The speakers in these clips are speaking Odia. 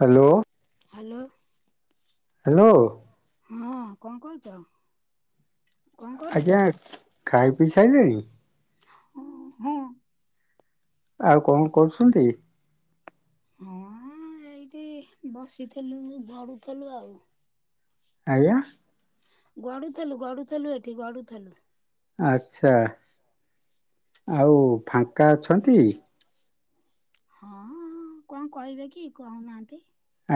ହ୍ୟାଲୋ। ହ୍ୟାଲୋ। ହଁ କଣ କହୁଛ? ଆଜ୍ଞା ଖାଇ ପି ସାଇଲେଣି। ହଁ ହଁ। ଆଉ କଣ କରୁଛନ୍ତି? ହଁ ଏଇଠି ବସିଥେଲୁ ଗଡୁଥଲୁ ଆଉ। ଆଜ୍ଞା। ଗଡୁଥଲୁ ଗଡୁଥଲୁ ଏଠି ଗଡୁଥଲୁ। ଆଚ୍ଛା ଆଉ ଫାଙ୍କା ଅଛନ୍ତି? ହଁ କଣ କହିବେ କି କହୁ ନାହାନ୍ତି।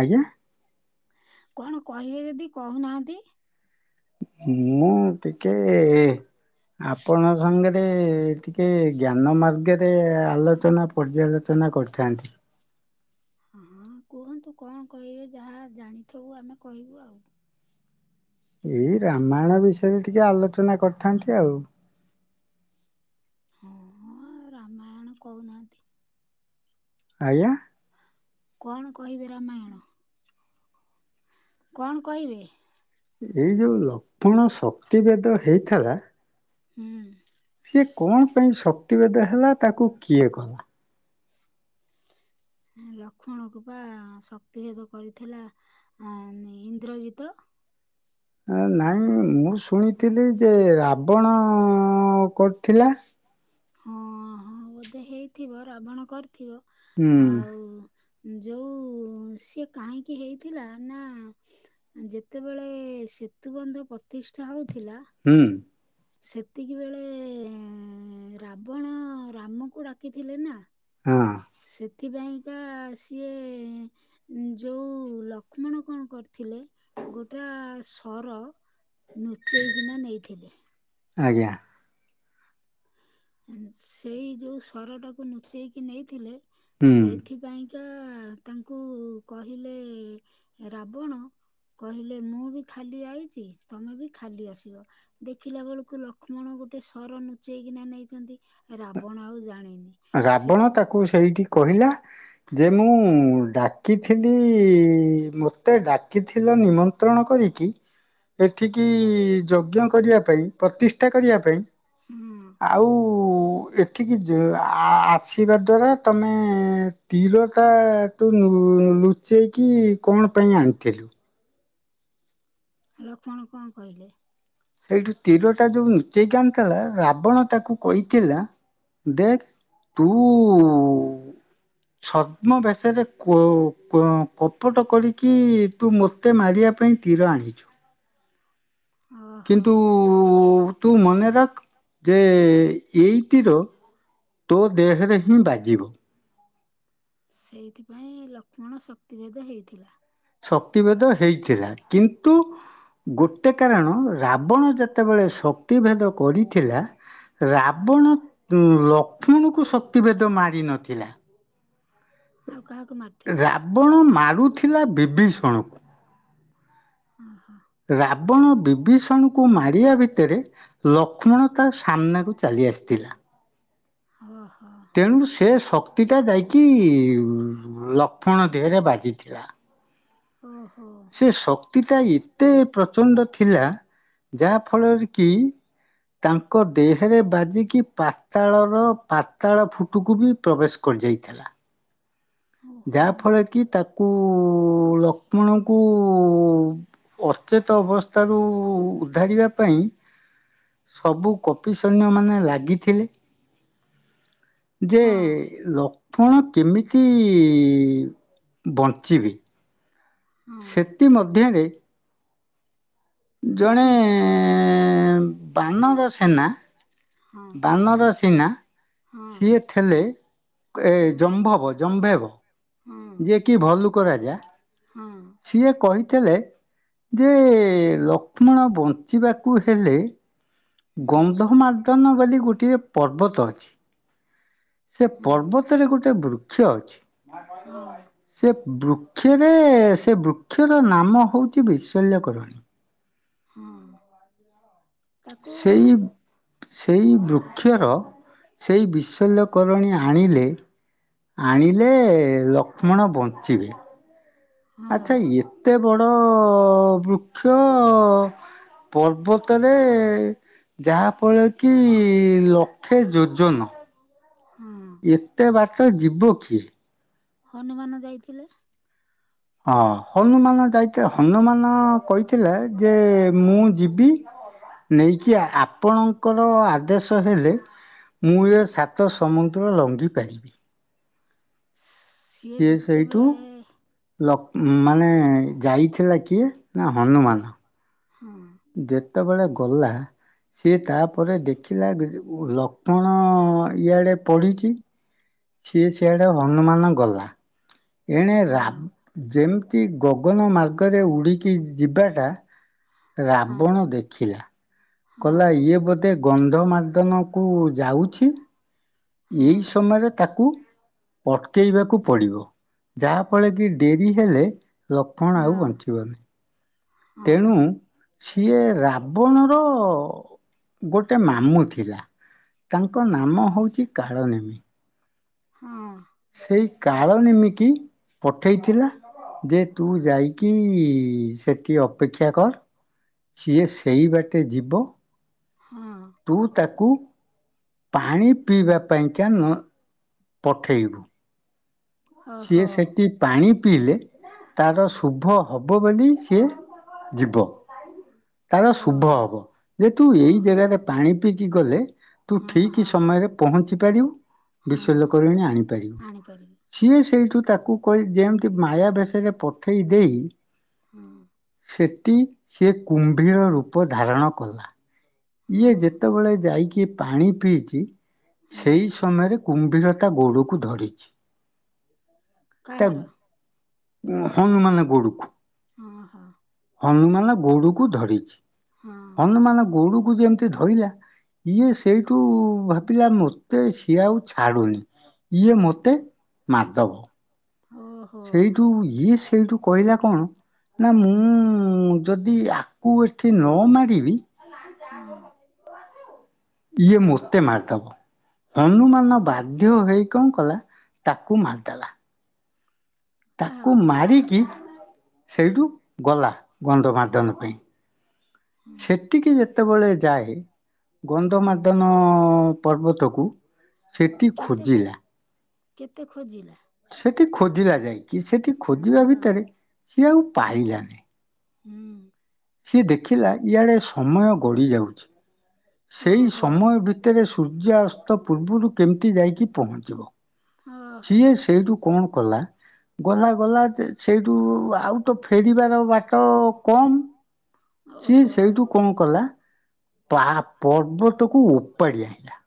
ଆଜ୍ଞା। କଣ କହିବେ ଯଦି କହୁ ନାହାନ୍ତି। ମୁଁ ଟିକେ ଆପଣଙ୍କ ସାଙ୍ଗରେ ଟିକେ ଜ୍ଞାନ ମାର୍ଗରେ ଆଲୋଚନା ପର୍ଯ୍ୟାଲୋଚ କରିଥାନ୍ତି। ହଁ କୁହନ୍ତୁ କଣ କହିବେ ଯାହା ଜାଣିଥିବୁ ଆମେ କହିବୁ ଆଉ। ଏଇ ରାମାୟଣ ବିଷୟରେ ଟିକେ ଆଲୋଚନା କରିଥାନ୍ତି ଆଉ। ହଁ ଆଉ ରାମାୟଣ କହୁନାହାନ୍ତି। ଆଜ୍ଞା କଣ କହିବେ ରାମାୟଣ? କଣ କହିବେ? ଏଇ ଯୋଉ ଲକ୍ଷ୍ମଣ ଶକ୍ତିଭେଦ ହେଇଥେଲା ହୁଁ। ସିଏ କଣ ପାଇଁ ଶକ୍ତିବେଦ ହେଲା ତାକୁ କିଏ କଲା? ଲକ୍ଷ୍ମଣକୁ ବା ଶକ୍ତିଭେଦ କରିଥିଲା ଇନ୍ଦ୍ରଜିତ। ନାଇଁ ମୁଁ ଶୁଣିଥିଲି ଯେ ରାବଣ କୋଉଟି ଥିଲା? ହଁ ହଁ ବୋଧେ ହେଇଥିବ ରାବଣ କରଥିବ ଆଉ ଯୋଉ ସିଏ କାହିଁକି ହେଇଥିଲା ନା, ଯେତେବେଳେ ସୀ ସେତୁ ବନ୍ଧ ପ୍ରତିଷ୍ଠା ହଉଥିଲା ସେତିକି ବେଳେ ରାବଣ ରାମକୁ ଡାକିଥିଲେ ନା। ହଁ। ସେଥିପାଇଁକା ସିଏ ଯୋଉ ଲକ୍ଷ୍ମଣ କଣ କରିଥିଲେ ଗୋଟା ସର ଲୁଚେଇକିନା ନେଇଥିଲେ। ଆଜ୍ଞା। ସେଇ ଯୋଉ ସରଟାକୁ ଲୁଚେଇକି ନେଇଥିଲେ ସେଇଥିପାଇଁ ତା ତାଙ୍କୁ କହିଲେ ରାବଣ କହିଲେ ମୁଁ ବି ଖାଲି ଆଇଚି ତମେ ବି ଖାଲି ଆସିବ ଦେଖିଲା ବେଳକୁ ଲକ୍ଷ୍ମଣ ଗୋଟେ ସର ନୁଚେଇକିନା ନେଇଚନ୍ତି ରାବଣ ଆଉ ଜାଣିନି। ରାବଣ ତାକୁ ସେଇଠି କହିଲା ଯେ ମୁଁ ଡା ଡାକିଥିଲି ମୋତେ ଡାକିଥିଲା ନିମନ୍ତ୍ରଣ କରିକି ଏଠିକି ଯଜ୍ଞ କରିବା ପାଇଁ ପ୍ରତିଷ୍ଠା କରିବା ପାଇଁ ଆଉ ଉ ଏଠିକି ଯୋ-ଆ ଆ-ଆସିବା ଦ୍ଵାରା ତମେ ତୀରଟା ତୁ ନୋ ଉ ଲୁଚେଇକି କଣ ପାଇଁ ଆଣିଥିଲୁ? ଲକ୍ଷ୍ମଣ କଣ କହିଲେ? ସେଇଠୁ ତୀରଟା ଯୋଉ ନୁଚେଇକି ଆଣିଥିଲା ରାବଣ ତାକୁ କହିଥିଲା ଦେଖ୍ ତୁ ଛଦ୍ମ ବେଶରେ କୋ-କ-କପଟ କରିକି ତୁ ମୋତେ ମାରିବା ପାଇଁ ତୀର ଆଣିଚୁ। କିନ୍ତୁ ତୁ ମନେରକ ଯେ ଏଇତିର ତୋ ଦେହେରେ ହିଁ ବାଜିବ। ସେଇଥିପାଇଁ ଲକ୍ଷ୍ମଣ ଶକ୍ତିଭେଦ ହେଇଥିଲା। ଶକ୍ତିିଭେଦ ହେଇଥିଲା କିନ୍ତୁ ଗୋଟେ କାରଣ ରାବଣ ଯେତେବେଳେ ଶକ୍ତିଭେଦ କରିଥିଲା ରାବଣ ଉ-ଲକ୍ଷ୍ମଣକୁ ଶକ୍ତିଭେଦ ମାରିନଥିଲା। ରାବଣ ମାରୁଥିଲା ବିଭୀଷଣକୁ। ରାବଣ ବିଭୀଷଣକୁ ମାରିବା ଭିତରେ ଲକ୍ଷ୍ମଣ ତା ସାମ୍ନାକୁ ଚାଲି ଆସିଥିଲା। ହଁ ହ ତେଣୁ ସେ ଶକ୍ତିଟା ଯାଇକି ଲକ୍ଷ୍ମଣ ଦେହରେ ବାଜିଥିଲା। ଓହୋ। ତିଟା ଏତେ ପ୍ରଚଣ୍ଡ ଥିଲା ଯାହାଫଳରେ କି ତାଙ୍କ ଦେହେରେ ବାଜିକି ପାତାଳର ପାତାଳ ଫୁଟୁକୁ ବି ପ୍ରବେଶ କର ଯାଇଥିଲା। ଯାହା ଫଳରେ କି ତାକୁ ଲକ୍ଷ୍ମଣଙ୍କୁ ଅଚେତ ଅବସ୍ତାରୁ ଉଦ୍ଧାରିବା ପାଇଁ ସବୁ କପି ସୈନ୍ୟମାନେ ଲାଗିଥିଲେ ଯେ ଲକ୍ଷ୍ମଣ କେମିତି ବଞ୍ଚିବେ ସେତି ମଧ୍ୟରେ ଜଣେ ବାନରସେନା ବାନରସେନା ସିଏ ଥିଲେ କେ-ଏ ଜମ୍ଭବ ଜମ୍ଭେବ। ଯିଏ କି ଭଲୁକ ରାଜା ସିଏ କହିଥିଲେ ଯେ ଲକ୍ଷ୍ମଣ ବଞ୍ଚିବାକୁ ହେଲେ ଗନ୍ଧମାର୍ଦନ ବୋଲି ଗୋଟିଏ ପର୍ବତ ଅଛି। ସେ ପର୍ବତରେ ଗୋଟେ ବୃକ୍ଷ ଅଛି। ସେ ବୃକ୍ଷରେ ସେ ବୃକ୍ଷର ନାମ ହୋଉଚି ବିଷଲ୍ୟକରଣୀ। ହଁ। ତାକୁ ସେଇ ବୃକ୍ଷର ସେଇ ବିଷଲ୍ୟକରଣୀ ଆଣିଲେ ଆଣିଲେ ଲକ୍ଷ୍ମଣ ବଞ୍ଚିବେ। ଆଛା ଏତେ ବଡ ବୃକ୍ଷ ପର୍ବତରେ ଯାହାଫଳ କି ଲକ୍ଷେ ଯୋଜନ ଏତେ ବାଟ ଯିବ କିଏ? ହନୁମାନ ଯାଇଥିଲେ। ହଁ ହନୁମାନ ଯାଇତେ ହନୁମାନ କହିଥିଲେ ଯେ ମୁଁ ଯିବି ନେଇକି ଆପଣଙ୍କର ଆଦେଶ ହେଲେ ମୁଁ ଏ ସାତ ସମୁଦ୍ର ଲଘି ପାରିବି। ସିଏ ସେଇଠୁ ଲ ମାନେ ଯାଇଥିଲା କିଏ ନା ହନୁମାନ। ହଁ ଯେତେବେଳେ ଗଲା ସିଏ ତାପରେ ପଢ଼ିଛି ସିଏ ସିଆଡ଼େ ହନୁମାନ ଗଲା। ଏଣେ ରା ଯେମିତି ଗଗନ ମାର୍ଗରେ ଉଡ଼ିକି ଯିବାଟା ରାବଣ ଦେଖିଲା କଲା ଇଏ ବୋଧେ କନ୍ଧ ମାର୍ଦନକୁ ଯାଉଛି ଏଇ ସମୟରେ ତାକୁ ଅଟକେଇବାକୁ ପଡିବ। ଯାହାଫଳ କି ଡେରି ହେଲେ ଲକ୍ଷ୍ମଣ ଆଉ ବଞ୍ଚିବନି। ତେଣୁ ସିଏ ରାବଣର ଗୋଟେ ମାମୁଁ ଥିଲା ତାଙ୍କ ନାମ ହଉଛି କାଳନେମି। ସେଇ କାଳ ନିମିକି ପଠେଇଥିଲା ଯେ ତୁ ଯାଇ କି ସେଠି ଅପେକ୍ଷା କର ସିଏ ସେଇ ବାଟେ ଯିବ। ତୁ ତାକୁ ପାଣି ପିଇବା ପାଇଁକା ନ ପଠେଇବୁ। ସିଏ ସେଠି ପାଣି ପିଇଲେ ତାର ଶୁଭ ହବ ବୋଲି ସିଏ ଯିବ ତାର ଶୁଭ ହେବ ଯେ ତୁ ଏଇ ଜାଗାରେ ପାଣି ପିଇକି ଗଲେ ତୁ ଠିକି ସମୟରେ ପହଞ୍ଚି ପାରିବୁ ବିଷଲ୍ଯକରୁଣି ଆଣିପାରିବୁ। ସିଏ ସେଇଠୁ ତାକୁ କହି ଯେମତି ମାୟା ବେଶରେ ପଠେଇ ଦେଇ ସେଠି ସେ କୁମ୍ଭୀର ରୂପ ଧାରଣ କଲା। ଇଏ ଯେତେବେଳେ ଯାଇକି ପାଣି ପିଇଚି। ସେଇ ସମୟରେ କୁମ୍ଭୀର ତା ଗୋଡ଼କୁ ଧରିଛି। ତା ଉ ହନୁମାନ ଗୋଡକୁ। ହନୁମାନ ଗୋଡ଼କୁ ଧରିଛି ହନୁମାନ ଗୋଡ଼କୁ ଯେମିତି ଧଇଲା ଇଏ ସେଇଠୁ ଭାବିଲା ମତେ ସିଏ ଆଉ ଛାଡୁନି। ଇଏ ମତେ ମାରିଦବ। ସେଇଠୁ ଇଏ ସେଇଠୁ କହିଲା କଣ? ନା ମୁଁ ଯଦି ୟାକୁ ଏଠି ନ ମାରିବି। ଇଏ ମୋତେ ମାରିଦବ। ହନୁମାନ ବାଧ୍ୟ ହୋଇ କଣ କଲା ତାକୁ ମାରିଦେଲା। ତାକୁ ମାରିକି ସେଇଠୁ ଗଲା ଗନ୍ଧମାଧନ ପେଇଁ ସେଠିକି ଯେତେବେଳେ ଯାଏ ଗନ୍ଧମାଦନ ପର୍ବତକୁ ସେଠି ଖୋଜିଲା। କେତେ ଖୋଜିଲା? ସେଠି ଖୋଜିଲା ଯାଇକି ସେଠି ଖୋଜିବା ଭିତରେ ସିଏ ଆଉ ପାଇଲାନି। ହୁଁ ସିଏ ଦେଖିଲା ଇଆଡେ ସମୟ ଗଢ଼ି ଯାଉଛି। ସେଇ ସମୟ ଭିତରେ ସୂର୍ଯ୍ୟାସ୍ତ ପୂର୍ବରୁ କେମିତି ଯାଇକି ପହଞ୍ଚିବ। ସିଏ ସେଇଠୁ କଣ କଲା ଗଲା ଗଲା ଯେ ସେଇଠୁ ଆଉ ତ ଫେରିବାର ବାଟ [unintelligible] ସିଏ ସେଇଠୁ କଣ କଲା ପା-ପର୍ବତକୁ ଉପାଡି ଆଣିଲା।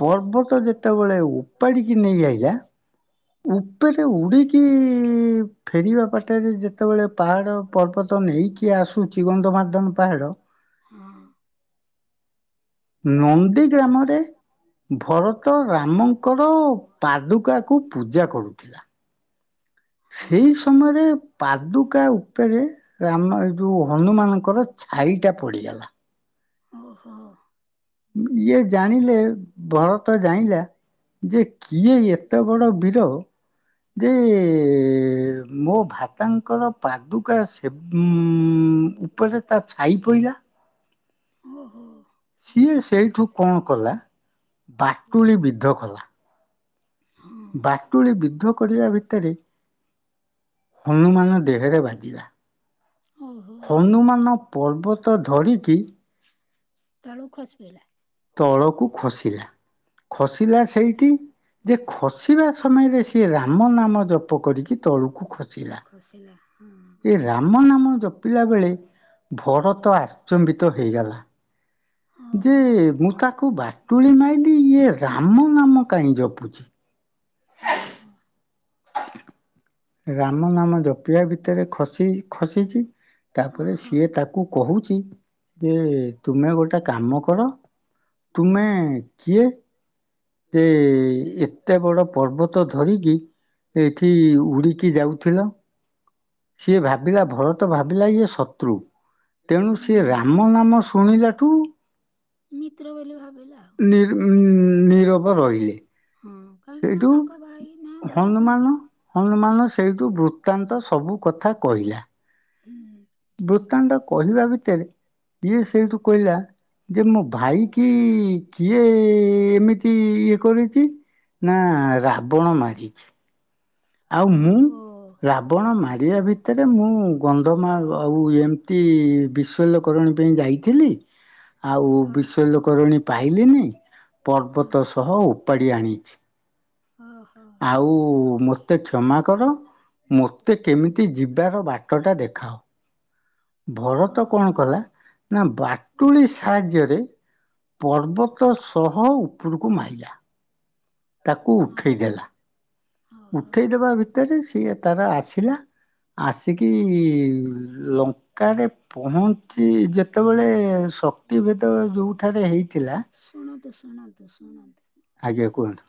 ପର୍ବତ ଯେତେବେଳେ ଉପାଡିକି ନେଇଆଇଲା ଉପରେ ଉଡିକି ଫେରିବା ବାଟରେ ଯେତେବେଳେ ପାହାଡ ପର୍ବତ ନେଇକି ଆସୁଛି ଗନ୍ଧମାଧନ ପାହାଡ ନନ୍ଦୀ ଗ୍ରାମରେ ଭରତ ରାମଙ୍କର ପାଦୁକାକୁ ପୂଜା କରୁଥିଲା ସେଇ ସମୟରେ ପାଦୁକା ଉପରେ ରାମ ଏ ଯୋଉ ହନୁମାନଙ୍କର ଛାଇଟା ପଡିଗଲା ଓହୋ। ଇଏ ଜାଣିଲେ ଭରତ ଜାଇଁଲା ଯେ କିଏ ଏତେ ବଡ଼ ବୀର ଯେ ମୋ ଭ୍ରାତାଙ୍କର ପାଦୁକା ସେ ଉ ଉପରେ ତା ଛାଇ ପଇଲା ଓହୋ। ସେଇଠୁ କଣ କଲା ବାଟୁଳି ବିଧ କଲା। ବାଟୁଳି ବିଧ କରିବା ଭିତରେ ହନୁମାନ ଦେହରେ ବାଜିଲା ହନୁମାନ ପର୍ବତ ଧରିକି ତଳୁ ଖସି ପଡିଲା। ତଳକୁ ଖସିଲା ଖସିଲା ସେଇଠି ଯେ ଖସିବା ସମୟରେ ସିଏ ରାମ ନାମ ଜପ କରିକି ତଳୁକୁ ଖସିଲା। ଏ ରାମ ନାମ ଜପିଲା ବେଳେ ଭରତ ଆଶ୍ଚମ୍ବିତ ହେଇଗଲା। ଯେ ମୁଁ ତାକୁ ବାଟୁଳି ମାଇଲିି ଇଏ ରାମ ନାମ କାହିଁ ଜପୁଛି ଓ ହୋ [inaudible] ରାମ ନାମ ଜପିଆ ଭିତରେ ଖସି ଖସିଛି ତାପରେ ସିଏ ତାକୁ କହୁଛି ଯେ ତୁମେ ଗୋଟେ କାମ କର ତୁମେ କିଏ? ଯେ ଏତେ ବଡ ପର୍ବତ ଧରିକି ଏଠି ଉଡ଼ିକି ଯାଉଥିଲ। ସିଏ ଭାବିଲା ଭରତ ଭାବିଲା ଇଏ ଶତ୍ରୁ ତେଣୁ ସିଏ ରାମ ମ ଶୁଣିଲାଠୁ ମିତ୍ର ବୋଲି ଭା ନି-ନିରବ ରହିଲେ। କାହିଁକି ନା ତାଙ୍କ ଭାଇଁ ହନୁମାନ ହନୁମାନ ସେଇଠୁ ବୃତ୍ତାନ୍ତ ସବୁ କଥା କହିଲା ବୃତ୍ତାନ୍ତ କହିବା ଭିତରେ ଇଏ ସେଇଠୁ କହିଲା ଯେ ମୋ ଭାଇ କି କିଏ? ଏମିତି ଇଏ କରିଛି? ନାଁ ରାବଣ ମାରିଛି। ଆଉ ମୁଁ ରାବଣ ମାରିବା ଭିତରେ ମୁଁ ଗନ୍ଧମାଭ ଉ ଏମିତି ବିଶଲ୍ୟକରଣୀ ପାଇଁ ଯାଇଥିଲି। ଆଉ ବିଶଲ୍ୟକରଣୀ ପାଇଲିନି। ପର୍ବତ ସହ ଉପାଡ଼ି ଆଣିଛି। ଆଉ ମୋତେ କ୍ଷମା କର। ମୋତେ କେମିତି ଯିବାର ବାଟଟା ଦେଖାଅ। ଭରତ କଣ କଲା ନା ବା ଟୁଳି [unintelligible] ସାହାଯ୍ୟରେ ପର୍ବତ ସହ ଉପୁରୁକୁ ମାଇଲା। ତାକୁ ଉଠେଇଦେଲା। ଉଠେଇଦବା ଭିତରେ ସିଏ ତାର ଆସିଲା। ଆସିକି ଇ ଲଙ୍କାରେ ପହଞ୍ଚି ଯେତେବେଳେ ସ ଅକ୍ତି [unintelligible] ଭେଦ ଯୋଉଠାରେ ହେଇଥିଲା। ଶୁଣନ୍ତୁ ଶୁଣନ୍ତୁ। ଆଜ୍ଞା କୁହନ୍ତୁ।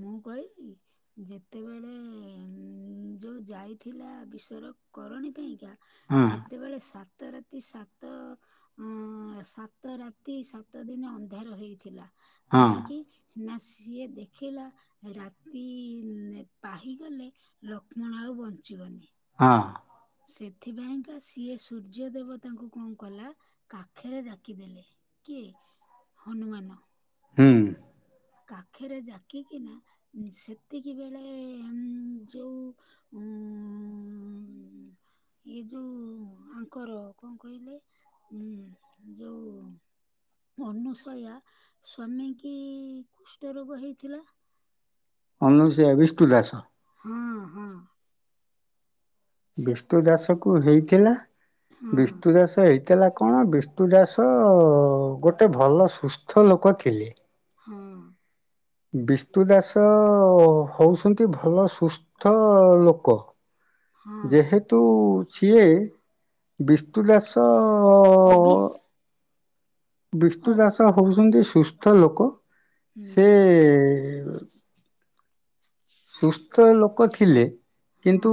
ମୁଁ କହିଲି। ଯେତେବେଳେ ଯୋଉ ଯାଇଥିଲା ବିଷ୍ଵର କରଣୀ ପାଇଁକା ସେତେବେଳେ ସା ତ ରାତି ସାତ‌ ଅଁ ସାତ ରାତି ସାତଦିନ ଅନ୍ଧାର ହେଇଥିଲା। କାହିଁକି? ନା ସିଏ ଦେ ଖିଲା ରାତି ନେ ପାହିଗଲେ ଲକ୍ଷ୍ମଣ ଆଉ ବଞ୍ଚିବନି। ହଁ। ସେଥିପାଇଁକା ସିଏ ସୂର୍ଯ୍ୟ ଦେବ ତାଙ୍କୁ କଣ କଲା? କାଖେରେ ଜାକିଦେଲେ। କିଏ? ହନୁମାନ। ହୁଁ। କାଖେରେ ଜାକିକିନା ସେତିକି ବେଳେ ଉଁମ ଯୋଉ ଉଁ ଇଏ ଯୋଉ ଆଙ୍କର କଣ କହିଲେ? ଉଁ ଯୋଉ ଅନୁସୟା ସ୍ଵାମୀ କି କୁଷ୍ଠ ରୋଗ ହେଇଥିଲା। ଅନୁସେୟା ବିଷ୍ଣୁ ଦାସ। ବିଷ୍ଣୁ ଦାସ କୁ ହେଇଥିଲା। ବିଷ୍ଣୁ ଦାସ ହେଇଥିଲା କଣ? ବିଷ୍ଣୁ ଦାସ ଗୋଟେ ଭଲ ସୁସ୍ଥ ଲୋ କ ଥିଲେ। ହଁ। ବିଷ୍ଣୁ ଦାସ ହଉଛନ୍ତି ଭଲ ସୁସ୍ଥ ଲୋକ। ଯେହେତୁ ସିଏ ବିଷ୍ଣୁଦାସ‌ ଓ ବିଷ୍ଣୁ ଦାସ ହଉଛନ୍ତି ସୁସ୍ଥ ଲୋକ। ସେ ଏ ସୁସ୍ଥ ଲୋକ ଥିଲେ। କିନ୍ତୁ?